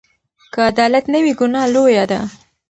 که عدالت نه وي، ګناه لویه ده.